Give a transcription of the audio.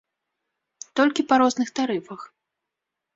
Толькі па розных тарыфах.